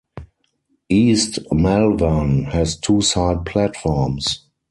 East Malvern has two side platforms.